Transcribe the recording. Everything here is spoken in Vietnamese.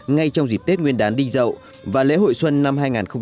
ngay trong dịp tết nguyên đán đinh dậu và lễ hội xuân năm hai nghìn một mươi bảy